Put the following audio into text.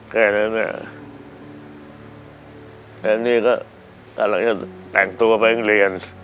แค่นั้นเนี่ยแค่นี้ก็กำลังจะแต่งตัวไปเรียน